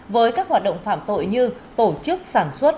với các hoạt động phạm tội như tổ chức sản xuất